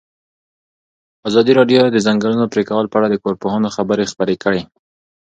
ازادي راډیو د د ځنګلونو پرېکول په اړه د کارپوهانو خبرې خپرې کړي.